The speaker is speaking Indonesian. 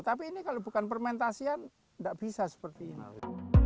tapi ini kalau bukan fermentasian nggak bisa seperti ini